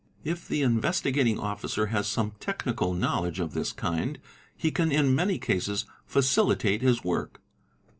If the Investigating Officer has some technical knowledge of this kind he can in many cases facilitate his work.